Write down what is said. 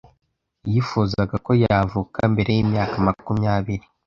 Yifuzaga ko yavuka mbere yimyaka makumyabiri.